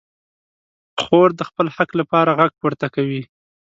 خور د خپل حق لپاره غږ پورته کوي.